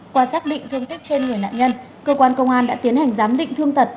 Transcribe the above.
qua xác định thương tích trên người nạn nhân cơ quan công an đã tiến hành giám định thương tật